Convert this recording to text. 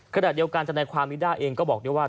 ขณะเดียวกันแสดงความนี้ได้เองก็บอกว่า